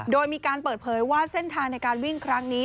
โดยมีการเปิดเผยว่าเส้นทางในการวิ่งครั้งนี้